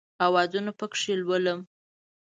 اوازونه پکښې لولم